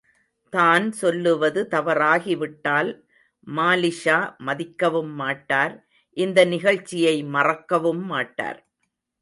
தான்சொல்லுவது தவறாகிவிட்டால் மாலிக்ஷா மதிக்கவும் மாட்டார், இந்த நிகழ்ச்சியை மறக்கவும் மாட்டார்.